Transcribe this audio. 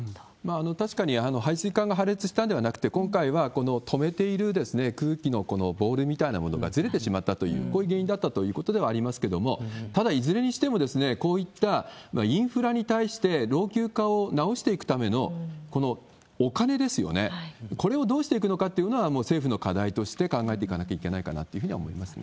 確かに配水管が破裂したんではなくて、今回はこの止めている空気のこのボールみたいなものがずれてしまったという、こういう原因だったということではありますけれども、ただいずれにしても、こういったインフラに対して老朽化を直していくためのお金ですよね、これをどうしていくのかというのは、もう政府の課題として考えていかなきゃいけないかなっていうふうには思いますね。